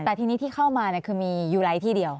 แต่ทีนี้ที่เข้ามาคือมียูไลท์ที่เดียว